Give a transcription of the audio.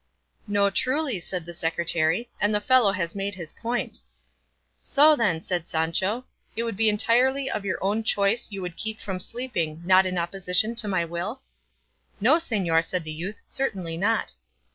"No, truly," said the secretary, "and the fellow has made his point." "So then," said Sancho, "it would be entirely of your own choice you would keep from sleeping; not in opposition to my will?" "No, señor," said the youth, "certainly not."